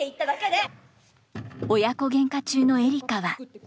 親子げんか中のエリカは。